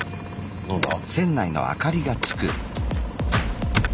何だ？